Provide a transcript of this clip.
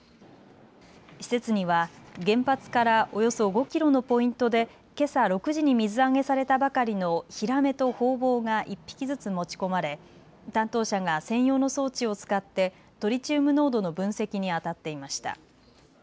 施設には原発からおよそ５キロのポイントでけさ６時に水揚げされたばかりのヒラメとホウボウが１匹ずつ持ち込まれ担当者が専用の装置を使ってトリチウム濃度の分析にあたっていました。